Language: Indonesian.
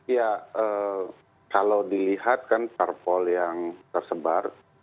ya kalau dilihat kan parpol yang tersebar